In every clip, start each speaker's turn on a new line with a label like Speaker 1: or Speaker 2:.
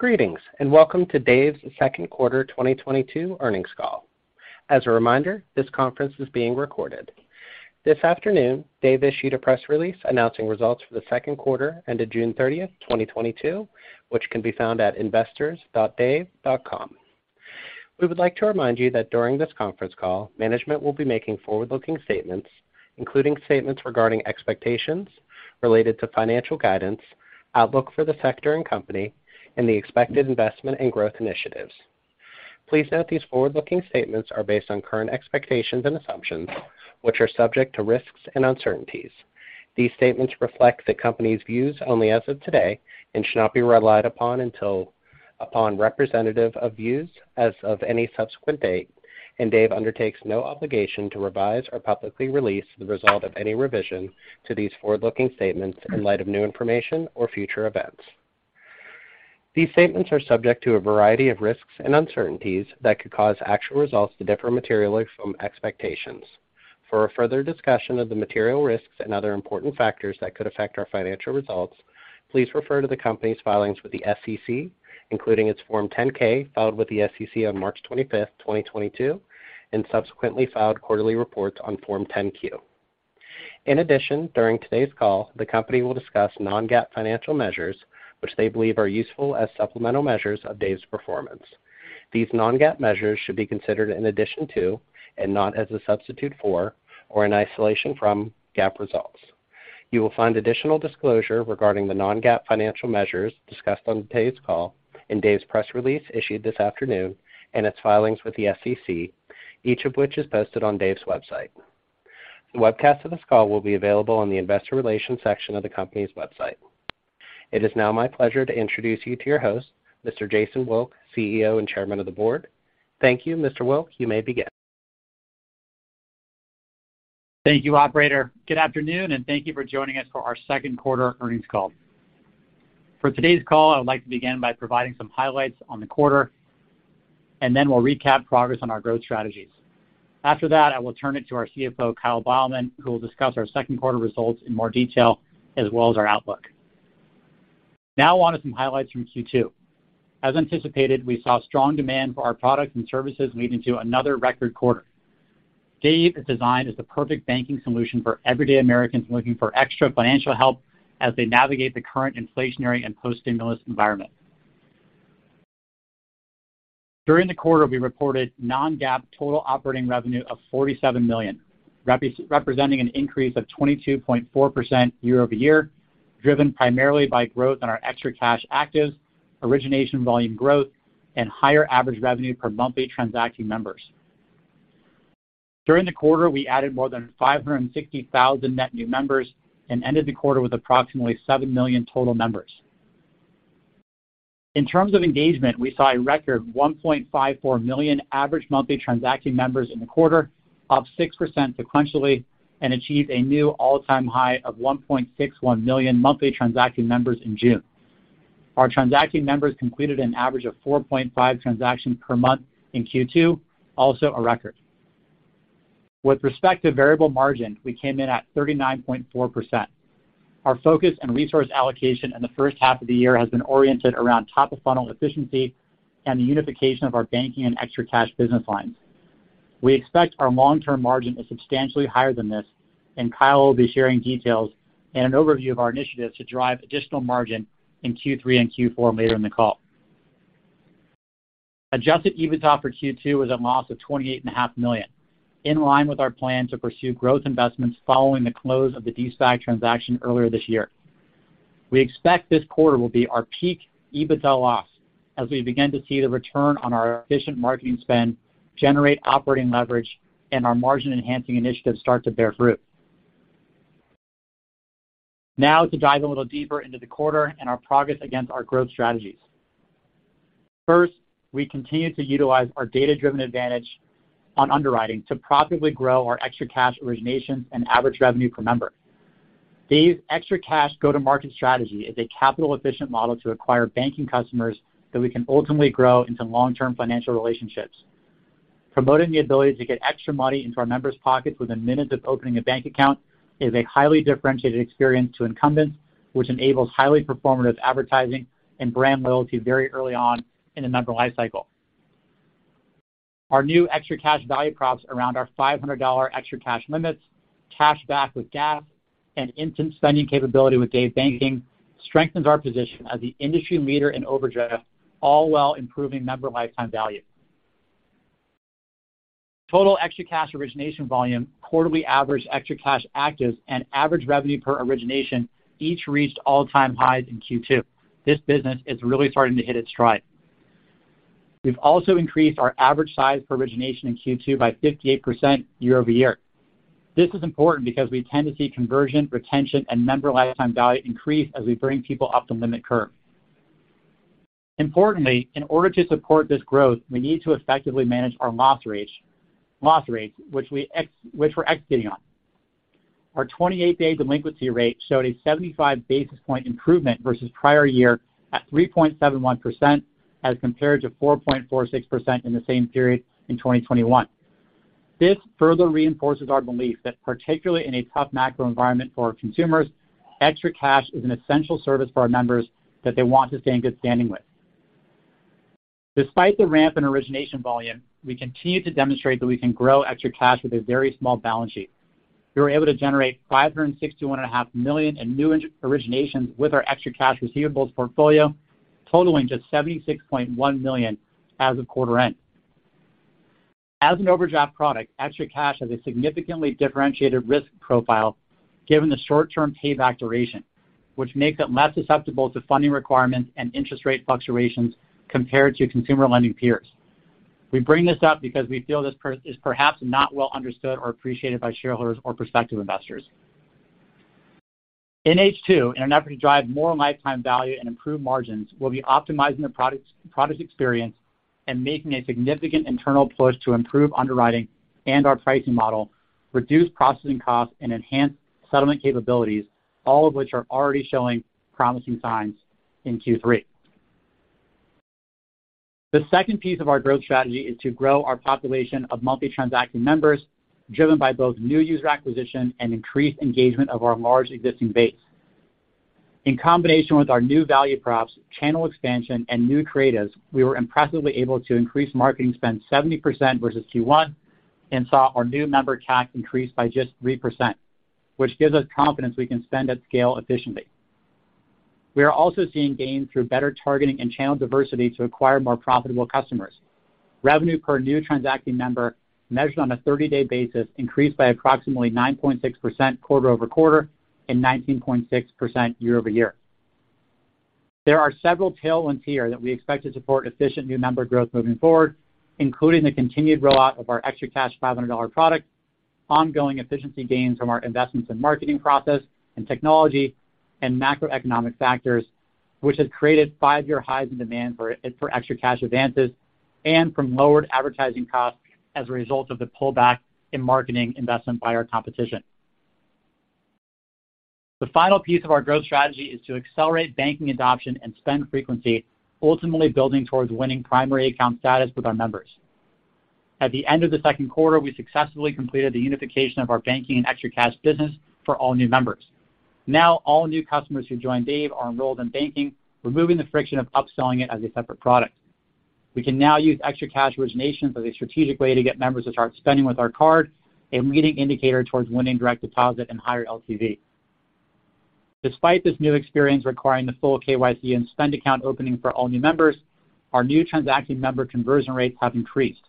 Speaker 1: Greetings, and welcome to Dave's second quarter 2022 earnings call. As a reminder, this conference is being recorded. This afternoon, Dave issued a press release announcing results for the second quarter ended June 30, 2022, which can be found at investors.dave.com. We would like to remind you that during this conference call, management will be making forward-looking statements, including statements regarding expectations related to financial guidance, outlook for the sector and company, and the expected investment and growth initiatives. Please note these forward-looking statements are based on current expectations and assumptions, which are subject to risks and uncertainties. These statements reflect the company's views only as of today and should not be relied upon as representative of views as of any subsequent date, and Dave undertakes no obligation to revise or publicly release the result of any revision to these forward-looking statements in light of new information or future events. These statements are subject to a variety of risks and uncertainties that could cause actual results to differ materially from expectations. For a further discussion of the material risks and other important factors that could affect our financial results, please refer to the company's filings with the SEC, including its Form 10-K, filed with the SEC on March 25, 2022, and subsequently filed quarterly reports on Form 10-Q. In addition, during today's call, the company will discuss non-GAAP financial measures which they believe are useful as supplemental measures of Dave's performance. These non-GAAP measures should be considered in addition to, and not as a substitute for, or in isolation from GAAP results. You will find additional disclosure regarding the non-GAAP financial measures discussed on today's call in Dave's press release issued this afternoon and its filings with the SEC, each of which is posted on Dave's website. The webcast of this call will be available on the investor relations section of the company's website. It is now my pleasure to introduce you to your host, Mr. Jason Wilk, CEO and Chairman of the Board. Thank you, Mr. Wilk. You may begin.
Speaker 2: Thank you, operator. Good afternoon, and thank you for joining us for our second quarter earnings call. For today's call, I would like to begin by providing some highlights on the quarter, and then we'll recap progress on our growth strategies. After that, I will turn it to our CFO, Kyle Beilman, who will discuss our second quarter results in more detail as well as our outlook. Now on to some highlights from Q2. As anticipated, we saw strong demand for our products and services leading to another record quarter. Dave is designed as the perfect banking solution for everyday Americans looking for extra financial help as they navigate the current inflationary and post-stimulus environment. During the quarter, we reported non-GAAP total operating revenue of $47 million, representing an increase of 22.4% year-over-year, driven primarily by growth in our ExtraCash activities, origination volume growth, and higher average revenue per monthly transacting members. During the quarter, we added more than 560,000 net new members and ended the quarter with approximately 7 million total members. In terms of engagement, we saw a record 1.54 million average monthly transacting members in the quarter, up 6% sequentially, and achieved a new all-time high of 1.61 million monthly transacting members in June. Our transacting members completed an average of 4.5 transactions per month in Q2, also a record. With respect to variable margin, we came in at 39.4%. Our focus and resource allocation in the first half of the year has been oriented around top-of-funnel efficiency and the unification of our Banking and ExtraCash business lines. We expect our long-term margin is substantially higher than this, and Kyle will be sharing details and an overview of our initiatives to drive additional margin in Q3 and Q4 later in the call. Adjusted EBITDA for Q2 was a loss of $twenty-eight and a half million, in line with our plan to pursue growth investments following the close of the de-SPAC transaction earlier this year. We expect this quarter will be our peak EBITDA loss as we begin to see the return on our efficient marketing spend generate operating leverage and our margin-enhancing initiatives start to bear fruit. Now to dive a little deeper into the quarter and our progress against our growth strategies. First, we continue to utilize our data-driven advantage on underwriting to profitably grow our ExtraCash originations and average revenue per member. Dave's ExtraCash go-to-market strategy is a capital-efficient model to acquire banking customers that we can ultimately grow into long-term financial relationships. Promoting the ability to get extra money into our members' pockets within minutes of opening a bank account is a highly differentiated experience to incumbents, which enables highly performative advertising and brand loyalty very early on in the member life cycle. Our new ExtraCash value props around our $500 ExtraCash limits, cash back with gas, and instant spending capability with Dave Banking strengthens our position as the industry leader in overdraft, all while improving member lifetime value. Total ExtraCash origination volume, quarterly average ExtraCash actives, and average revenue per origination each reached all-time highs in Q2. This business is really starting to hit its stride. We've also increased our average size per origination in Q2 by 58% year-over-year. This is important because we tend to see conversion, retention, and member lifetime value increase as we bring people up the limit curve. Importantly, in order to support this growth, we need to effectively manage our loss rates, which we're executing on. Our 28-day delinquency rate showed a 75 basis point improvement versus prior year at 3.71% as compared to 4.46% in the same period in 2021. This further reinforces our belief that particularly in a tough macro environment for consumers, ExtraCash is an essential service for our members that they want to stay in good standing with. Despite the ramp in origination volume, we continue to demonstrate that we can grow ExtraCash with a very small balance sheet. We were able to generate $561.5 million in new originations with our ExtraCash receivables portfolio, totaling just $76.1 million as of quarter end. As an overdraft product, ExtraCash has a significantly differentiated risk profile given the short-term payback duration, which makes it less susceptible to funding requirements and interest rate fluctuations compared to consumer lending peers. We bring this up because we feel this is perhaps not well understood or appreciated by shareholders or prospective investors. In H2, in an effort to drive more lifetime value and improve margins, we'll be optimizing the products, product experience and making a significant internal push to improve underwriting and our pricing model, reduce processing costs, and enhance settlement capabilities, all of which are already showing promising signs in Q3. The second piece of our growth strategy is to grow our population of monthly transacting members, driven by both new user acquisition and increased engagement of our large existing base. In combination with our new value props, channel expansion, and new creatives, we were impressively able to increase marketing spend 70% versus Q1 and saw our new member CAC increase by just 3%, which gives us confidence we can spend at scale efficiently. We are also seeing gains through better targeting and channel diversity to acquire more profitable customers. Revenue per new transacting member, measured on a thirty-day basis, increased by approximately 9.6% quarter-over-quarter and 19.6% year-over-year. There are several tailwinds here that we expect to support efficient new member growth moving forward, including the continued rollout of our ExtraCash $500 product, ongoing efficiency gains from our investments in marketing process and technology, and macroeconomic factors, which has created 5-year highs in demand for ExtraCash advances, and from lowered advertising costs as a result of the pullback in marketing investment by our competition. The final piece of our growth strategy is to accelerate banking adoption and spend frequency, ultimately building towards winning primary account status with our members. At the end of the second quarter, we successfully completed the unification of our banking and ExtraCash business for all new members. Now all new customers who join Dave are enrolled in banking, removing the friction of upselling it as a separate product. We can now use extra cash originations as a strategic way to get members to start spending with our card, a leading indicator towards winning direct deposit and higher LTV. Despite this new experience requiring the full KYC and spend account opening for all new members, our new transacting member conversion rates have increased,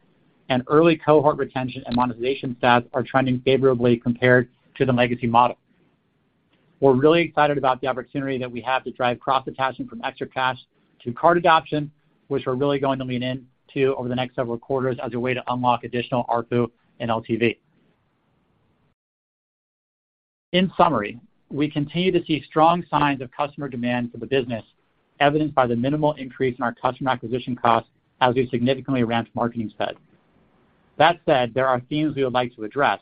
Speaker 2: and early cohort retention and monetization stats are trending favorably compared to the legacy model. We're really excited about the opportunity that we have to drive cross-attachment from extra cash to card adoption, which we're really going to lean into over the next several quarters as a way to unlock additional ARPU and LTV. In summary, we continue to see strong signs of customer demand for the business, evidenced by the minimal increase in our customer acquisition costs as we significantly ramped marketing spend. That said, there are themes we would like to address.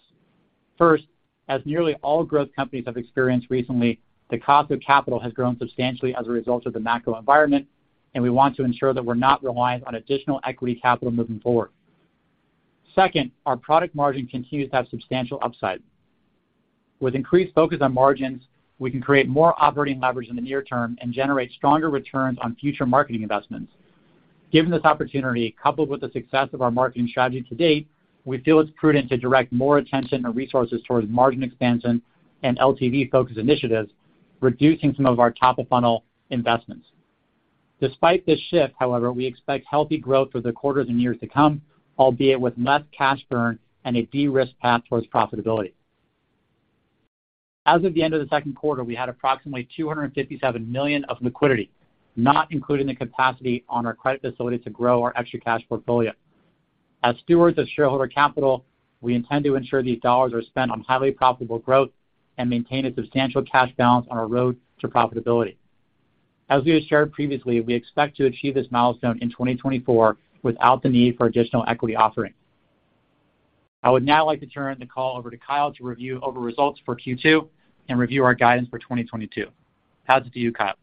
Speaker 2: First, as nearly all growth companies have experienced recently, the cost of capital has grown substantially as a result of the macro environment, and we want to ensure that we're not reliant on additional equity capital moving forward. Second, our product margin continues to have substantial upside. With increased focus on margins, we can create more operating leverage in the near term and generate stronger returns on future marketing investments. Given this opportunity, coupled with the success of our marketing strategy to date, we feel it's prudent to direct more attention and resources towards margin expansion and LTV-focused initiatives, reducing some of our top-of-funnel investments. Despite this shift, however, we expect healthy growth for the quarters and years to come, albeit with less cash burn and a de-risk path towards profitability. As of the end of the second quarter, we had approximately $257 million of liquidity, not including the capacity on our credit facility to grow our extra cash portfolio. As stewards of shareholder capital, we intend to ensure these dollars are spent on highly profitable growth and maintain a substantial cash balance on our road to profitability. As we have shared previously, we expect to achieve this milestone in 2024 without the need for additional equity offerings. I would now like to turn the call over to Kyle to review our results for Q2 and review our guidance for 2022. It's to you, Kyle.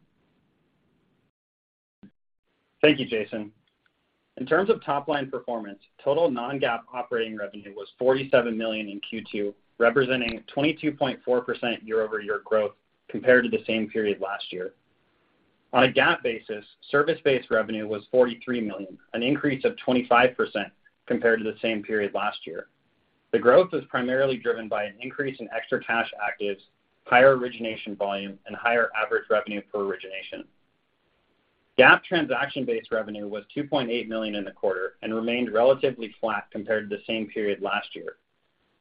Speaker 3: Thank you, Jason. In terms of top-line performance, total non-GAAP operating revenue was $47 million in Q2, representing 22.4% year-over-year growth compared to the same period last year. On a GAAP basis, service-based revenue was $43 million, an increase of 25% compared to the same period last year. The growth was primarily driven by an increase in extra cash actives, higher origination volume, and higher average revenue per origination. GAAP transaction-based revenue was $2.8 million in the quarter and remained relatively flat compared to the same period last year.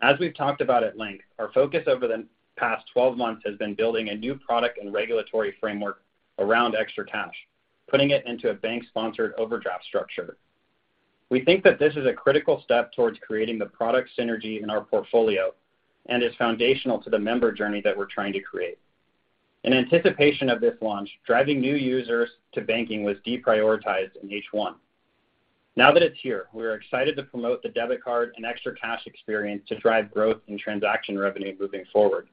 Speaker 3: As we've talked about at length, our focus over the past 12 months has been building a new product and regulatory framework around extra cash, putting it into a bank-sponsored overdraft structure. We think that this is a critical step towards creating the product synergy in our portfolio and is foundational to the member journey that we're trying to create. In anticipation of this launch, driving new users to banking was deprioritized in H1. Now that it's here, we are excited to promote the debit card and extra cash experience to drive growth in transaction revenue moving forward.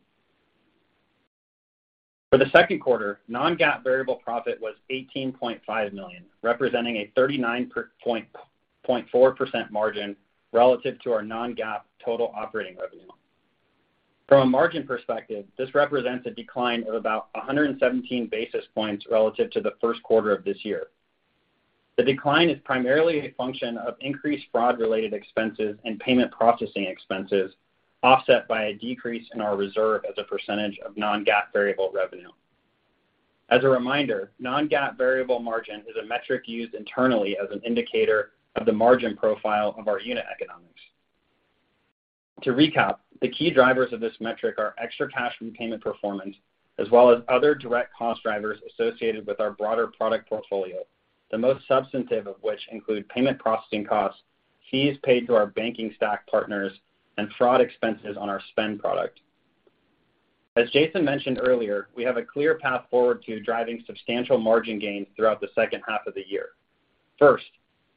Speaker 3: For the second quarter, non-GAAP variable profit was $18.5 million, representing a 39.4% margin relative to our non-GAAP total operating revenue. From a margin perspective, this represents a decline of about 117 basis points relative to the first quarter of this year. The decline is primarily a function of increased fraud-related expenses and payment processing expenses, offset by a decrease in our reserve as a percentage of non-GAAP variable revenue. As a reminder, non-GAAP variable margin is a metric used internally as an indicator of the margin profile of our unit economics. To recap, the key drivers of this metric are ExtraCash from payment performance as well as other direct cost drivers associated with our broader product portfolio, the most substantive of which include payment processing costs, fees paid to our banking stack partners, and fraud expenses on our spend product. As Jason mentioned earlier, we have a clear path forward to driving substantial margin gains throughout the second half of the year. First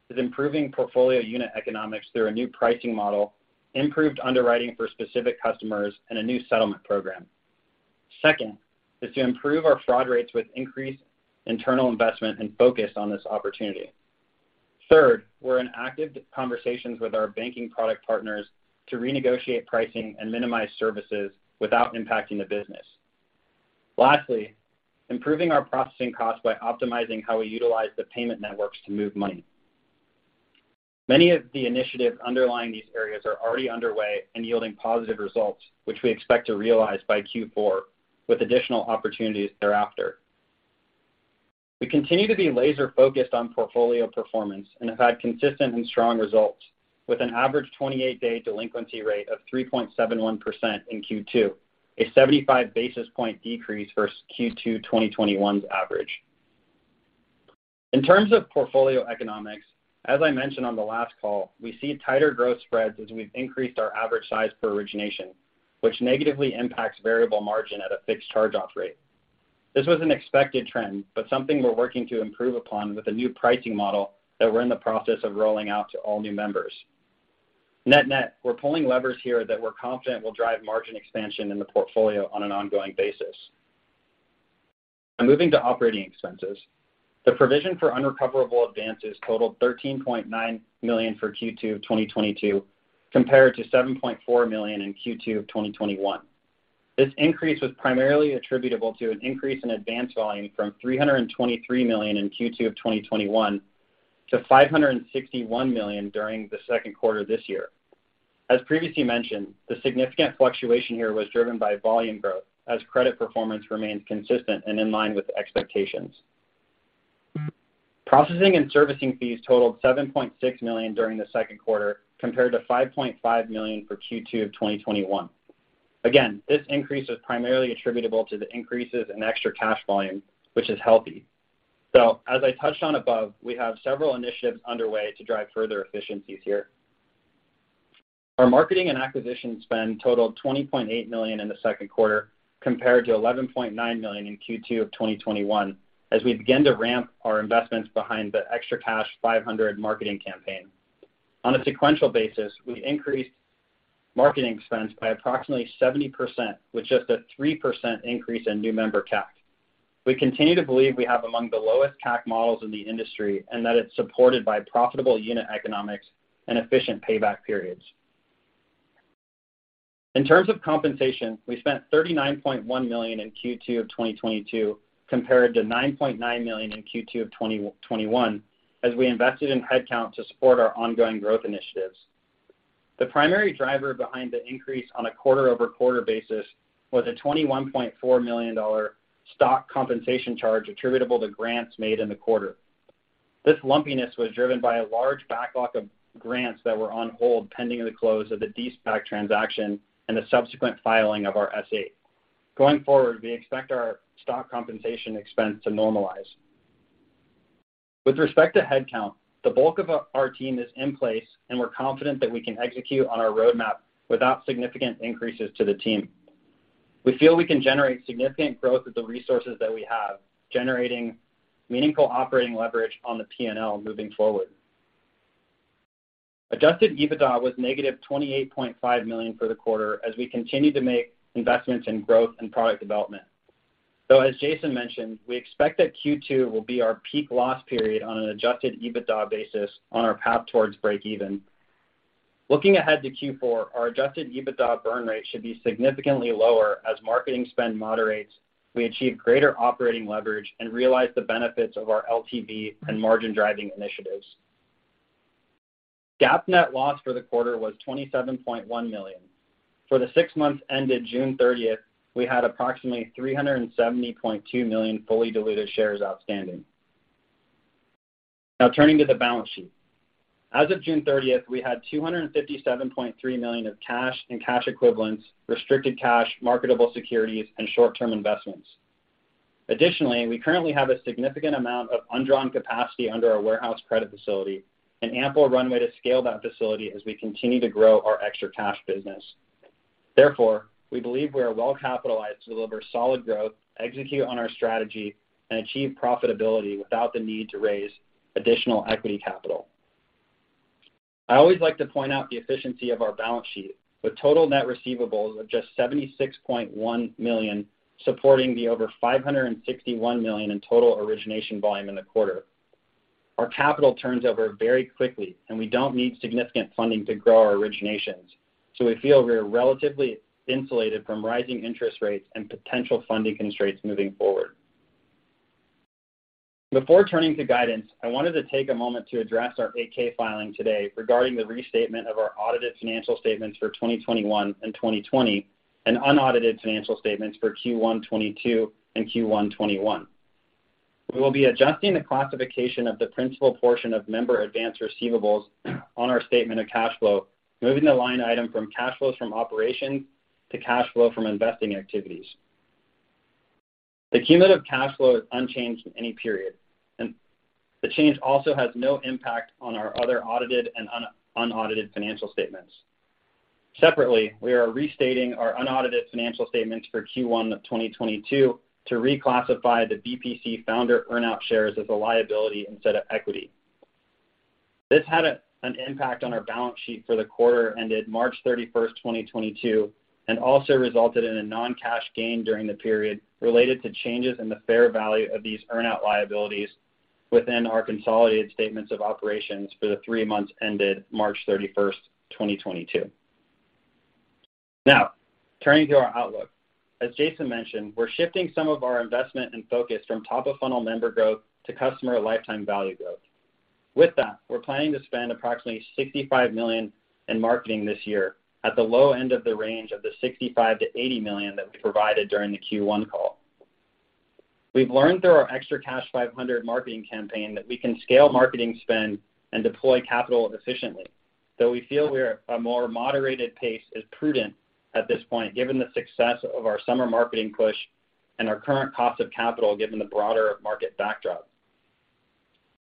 Speaker 3: is improving portfolio unit economics through a new pricing model, improved underwriting for specific customers, and a new settlement program. Second is to improve our fraud rates with increased internal investment and focus on this opportunity. Third, we're in active conversations with our banking product partners to renegotiate pricing and minimize services without impacting the business. Lastly, improving our processing costs by optimizing how we utilize the payment networks to move money. Many of the initiatives underlying these areas are already underway and yielding positive results, which we expect to realize by Q4, with additional opportunities thereafter. We continue to be laser-focused on portfolio performance and have had consistent and strong results with an average 28-day delinquency rate of 3.71% in Q2, a 75 basis point decrease versus Q2 2021's average. In terms of portfolio economics, as I mentioned on the last call, we see tighter growth spreads as we've increased our average size per origination, which negatively impacts variable margin at a fixed charge-off rate. This was an expected trend, but something we're working to improve upon with a new pricing model that we're in the process of rolling out to all new members. Net net, we're pulling levers here that we're confident will drive margin expansion in the portfolio on an ongoing basis. Now moving to operating expenses. The provision for unrecoverable advances totaled $13.9 million for Q2 of 2022, compared to $7.4 million in Q2 of 2021. This increase was primarily attributable to an increase in advance volume from $323 million in Q2 of 2021 to $561 million during the second quarter this year. As previously mentioned, the significant fluctuation here was driven by volume growth as credit performance remained consistent and in line with expectations. Processing and servicing fees totaled $7.6 million during the second quarter, compared to $5.5 million for Q2 of 2021. Again, this increase was primarily attributable to the increases in ExtraCash volume, which is healthy. As I touched on above, we have several initiatives underway to drive further efficiencies here. Our marketing and acquisition spend totaled $20.8 million in the second quarter compared to $11.9 million in Q2 of 2021 as we begin to ramp our investments behind the ExtraCash 500 marketing campaign. On a sequential basis, we increased marketing expense by approximately 70%, with just a 3% increase in new member CAC. We continue to believe we have among the lowest CAC models in the industry, and that it's supported by profitable unit economics and efficient payback periods. In terms of compensation, we spent $39.1 million in Q2 of 2022 compared to $9.9 million in Q2 of 2021 as we invested in headcount to support our ongoing growth initiatives. The primary driver behind the increase on a quarter-over-quarter basis was a $21.4 million stock compensation charge attributable to grants made in the quarter. This lumpiness was driven by a large backlog of grants that were on hold pending the close of the de-SPAC transaction and the subsequent filing of our S-8. Going forward, we expect our stock compensation expense to normalize. With respect to headcount, the bulk of our team is in place, and we're confident that we can execute on our roadmap without significant increases to the team. We feel we can generate significant growth with the resources that we have, generating meaningful operating leverage on the P&L moving forward. Adjusted EBITDA was negative $28.5 million for the quarter as we continue to make investments in growth and product development. As Jason mentioned, we expect that Q2 will be our peak loss period on an adjusted EBITDA basis on our path towards breakeven. Looking ahead to Q4, our adjusted EBITDA burn rate should be significantly lower as marketing spend moderates, we achieve greater operating leverage, and realize the benefits of our LTV and margin-driving initiatives. GAAP net loss for the quarter was $27.1 million. For the six months ended June 30, we had approximately 370.2 million fully diluted shares outstanding. Now turning to the balance sheet. As of June 30th, we had $257.3 million of cash and cash equivalents, restricted cash, marketable securities, and short-term investments. Additionally, we currently have a significant amount of undrawn capacity under our warehouse credit facility, an ample runway to scale that facility as we continue to grow our extra cash business. Therefore, we believe we are well capitalized to deliver solid growth, execute on our strategy, and achieve profitability without the need to raise additional equity capital. I always like to point out the efficiency of our balance sheet, with total net receivables of just $76.1 million supporting the over $561 million in total origination volume in the quarter. Our capital turns over very quickly, and we don't need significant funding to grow our originations. We feel we are relatively insulated from rising interest rates and potential funding constraints moving forward. Before turning to guidance, I wanted to take a moment to address our 8-K filing today regarding the restatement of our audited financial statements for 2021 and 2020, and unaudited financial statements for Q1 2022 and Q1 2021. We will be adjusting the classification of the principal portion of member advance receivables on our statement of cash flow, moving the line item from cash flows from operations to cash flow from investing activities. The cumulative cash flow is unchanged in any period, and the change also has no impact on our other audited and unaudited financial statements. Separately, we are restating our unaudited financial statements for Q1 of 2022 to reclassify the VPC founder earn-out shares as a liability instead of equity. This had an impact on our balance sheet for the quarter ended March 31, 2022, and also resulted in a non-cash gain during the period related to changes in the fair value of these earn-out liabilities within our consolidated statements of operations for the three months ended March 31, 2022. Now, turning to our outlook. As Jason mentioned, we're shifting some of our investment and focus from top-of-funnel member growth to customer lifetime value growth. With that, we're planning to spend approximately $65 million in marketing this year at the low end of the range of the $65 million-$80 million that we provided during the Q1 call. We've learned through our ExtraCash 500 marketing campaign that we can scale marketing spend and deploy capital efficiently, though we feel a more moderated pace is prudent at this point, given the success of our summer marketing push and our current cost of capital, given the broader market backdrop.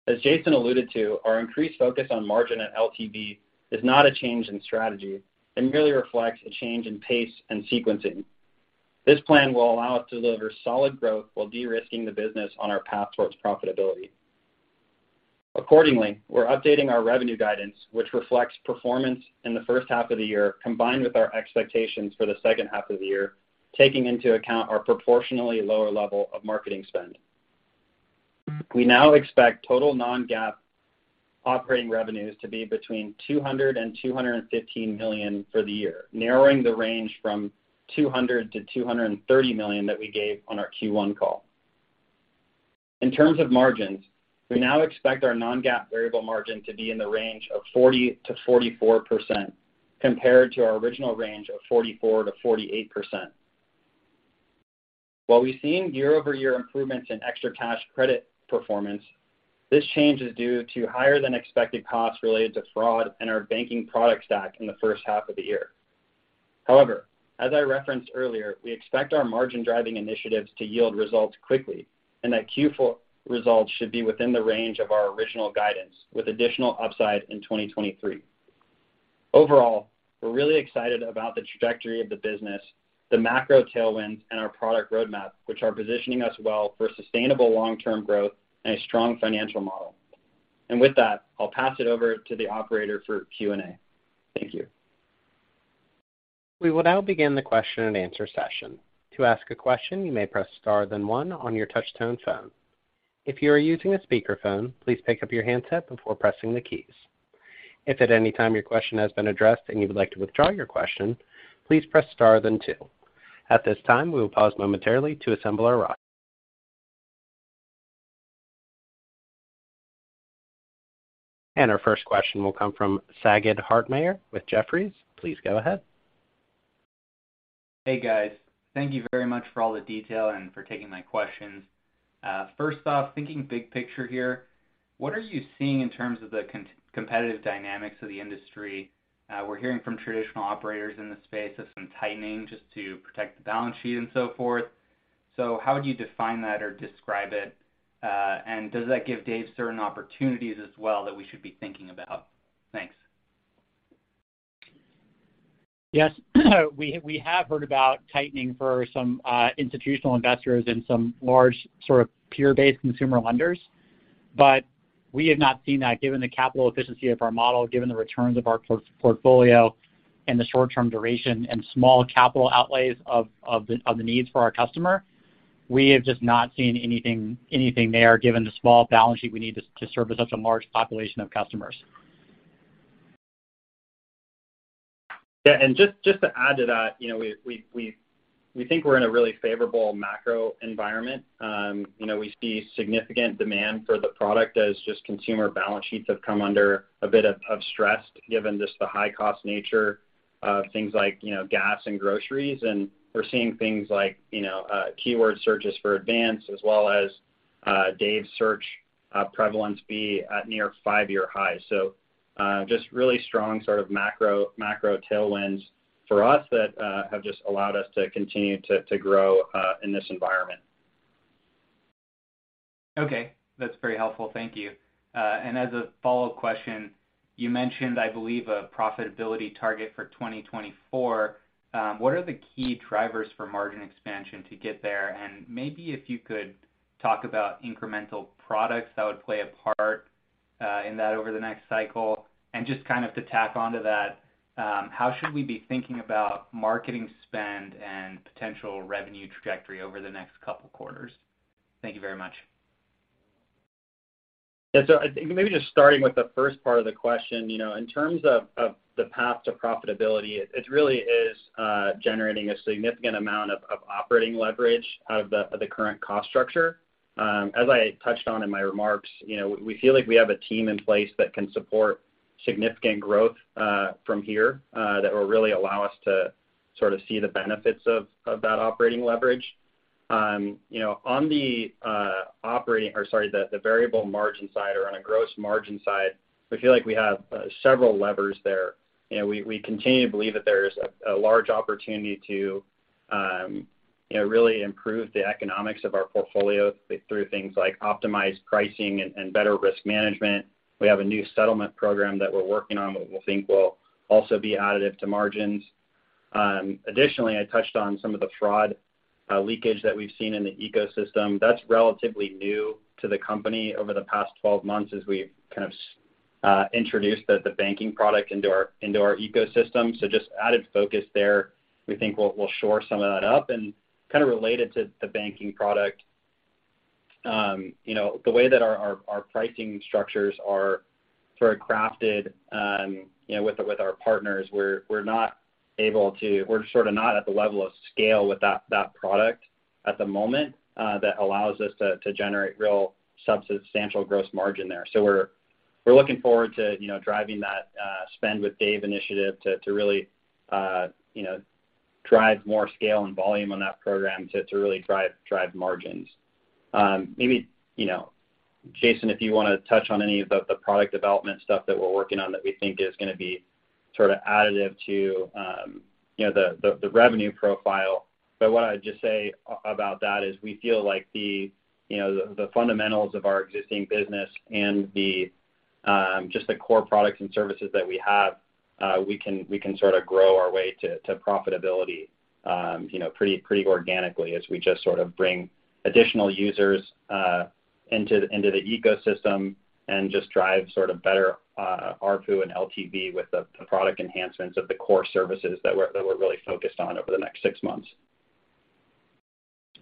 Speaker 3: As Jason alluded to, our increased focus on margin and LTV is not a change in strategy and merely reflects a change in pace and sequencing. This plan will allow us to deliver solid growth while de-risking the business on our path towards profitability. Accordingly, we're updating our revenue guidance, which reflects performance in the first half of the year, combined with our expectations for the second half of the year, taking into account our proportionally lower level of marketing spend. We now expect total non-GAAP operating revenues to be between $200 million and $215 million for the year, narrowing the range from $200 million to $230 million that we gave on our Q1 call. In terms of margins, we now expect our non-GAAP variable margin to be in the range of 40%-44% compared to our original range of 44%-48%. While we've seen year-over-year improvements in ExtraCash credit performance, this change is due to higher than expected costs related to fraud and our banking product stack in the first half of the year. However, as I referenced earlier, we expect our margin-driving initiatives to yield results quickly and that Q4 results should be within the range of our original guidance, with additional upside in 2023. Overall, we're really excited about the trajectory of the business, the macro tailwinds, and our product roadmap, which are positioning us well for sustainable long-term growth and a strong financial model. With that, I'll pass it over to the operator for Q&A. Thank you.
Speaker 1: We will now begin the question-and-answer session. To ask a question, you may press star then one on your touch tone phone. If you are using a speakerphone, please pick up your handset before pressing the keys. If at any time your question has been addressed and you would like to withdraw your question, please press star then two. At this time, we will pause momentarily to assemble our queue. Our first question will come from Sagiv Hartmayer with Jefferies. Please go ahead.
Speaker 4: Hey, guys. Thank you very much for all the detail and for taking my questions. First off, thinking big picture here, what are you seeing in terms of the competitive dynamics of the industry? We're hearing from traditional operators in the space of some tightening just to protect the balance sheet and so forth. How would you define that or describe it? Does that give Dave certain opportunities as well that we should be thinking about? Thanks.
Speaker 2: Yes. We have heard about tightening for some institutional investors and some large sort of peer-based consumer lenders. We have not seen that given the capital efficiency of our model, given the returns of our portfolio and the short-term duration and small capital outlays of the needs for our customer. We have just not seen anything there, given the small balance sheet we need to service such a large population of customers.
Speaker 3: Yeah. Just to add to that, you know, we think we're in a really favorable macro environment. You know, we see significant demand for the product as just consumer balance sheets have come under a bit of stress given just the high-cost nature of things like, you know, gas and groceries. We're seeing things like, you know, keyword searches for advance as well as Dave search prevalence be at near five-year highs. Just really strong sort of macro tailwinds for us that have just allowed us to continue to grow in this environment.
Speaker 4: Okay. That's very helpful. Thank you. As a follow-up question, you mentioned, I believe, a profitability target for 2024. What are the key drivers for margin expansion to get there? Maybe if you could talk about incremental products that would play a part in that over the next cycle. Just kind of to tack onto that, how should we be thinking about marketing spend and potential revenue trajectory over the next couple quarters? Thank you very much.
Speaker 3: Yeah. I think maybe just starting with the first part of the question, you know, in terms of the path to profitability, it really is generating a significant amount of operating leverage out of the current cost structure. As I touched on in my remarks, you know, we feel like we have a team in place that can support significant growth from here that will really allow us to sort of see the benefits of that operating leverage. You know, on the variable margin side or on a gross margin side, we feel like we have several levers there. You know, we continue to believe that there is a large opportunity to, you know, really improve the economics of our portfolio through things like optimized pricing and better risk management. We have a new settlement program that we're working on that we think will also be additive to margins. Additionally, I touched on some of the fraud leakage that we've seen in the ecosystem. That's relatively new to the company over the past 12 months as we've kind of introduced the banking product into our ecosystem. Just added focus there we think will shore some of that up. Kind of related to the banking product, you know, the way that our pricing structures are sort of crafted, you know, with our partners, we're sort of not at the level of scale with that product at the moment that allows us to generate real substantial gross margin there. We're looking forward to, you know, driving that Dave Spending Account initiative to really, you know, drive more scale and volume on that program to really drive margins. Maybe, you know, Jason, if you wanna touch on any of the product development stuff that we're working on that we think is gonna be sort of additive to, you know, the revenue profile. What I'd just say about that is we feel like the, you know, the fundamentals of our existing business and the just the core products and services that we have, we can sort of grow our way to profitability, you know, pretty organically as we just sort of bring additional users into the ecosystem and just drive sort of better ARPU and LTV with the product enhancements of the core services that we're really focused on over the next six months.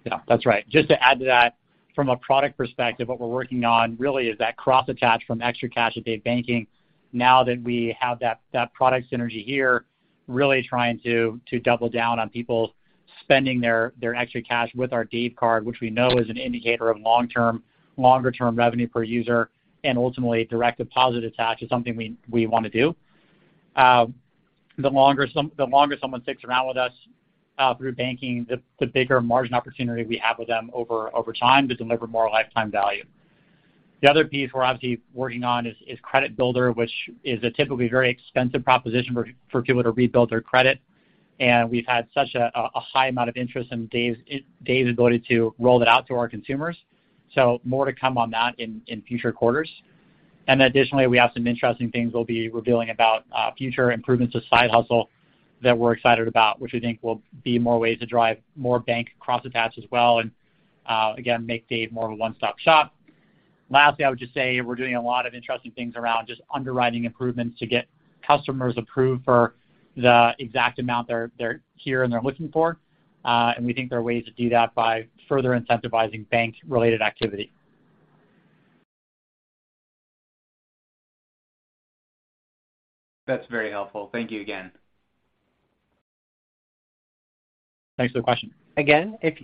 Speaker 2: Yeah. That's right. Just to add to that, from a product perspective, what we're working on really is that cross-attach from ExtraCash at Dave Banking, now that we have that product synergy here, really trying to double down on people spending their extra cash with our Dave card, which we know is an indicator of longer-term revenue per user, and ultimately, direct deposit attach is something we wanna do. The longer someone sticks around with us through banking, the bigger margin opportunity we have with them over time to deliver more lifetime value. The other piece we're obviously working on is Credit Builder, which is a typically very expensive proposition for people to rebuild their credit. We've had such a high amount of interest in Dave's ability to roll that out to our consumers, so more to come on that in future quarters. Additionally, we have some interesting things we'll be revealing about future improvements to Side Hustle that we're excited about, which we think will be more ways to drive more bank cross-attach as well and again, make Dave more of a one-stop shop. Lastly, I would just say we're doing a lot of interesting things around just underwriting improvements to get customers approved for the exact amount they're here and they're looking for, and we think there are ways to do that by further incentivizing bank-related activity.
Speaker 4: That's very helpful. Thank you again.
Speaker 2: Thanks for the question.
Speaker 1: Again, if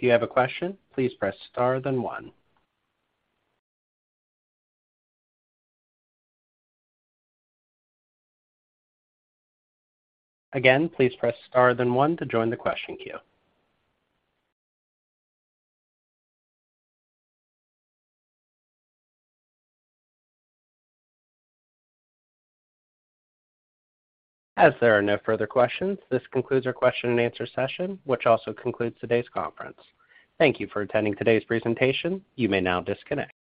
Speaker 1: you have a question, please press star then one. Again, please press star then one to join the question queue. As there are no further questions, this concludes our question and answer session, which also concludes today's conference. Thank you for attending today's presentation. You may now disconnect.